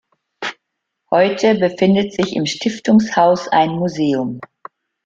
Heute befindet sich im Stiftungshaus ein Museum.